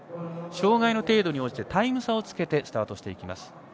障がいの程度に応じてタイム差をつけてスタートします。